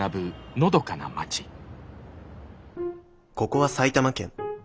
ここは埼玉県。